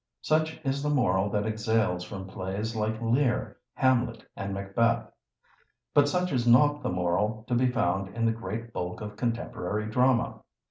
Such is the moral that exhales from plays like 'Lear', 'Hamlet', and 'Macbeth'. But such is not the moral to be found in the great bulk of contemporary Drama.